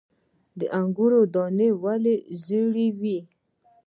د انګورو دانې ولې رژیږي؟